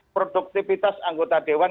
produktivitas anggota dewan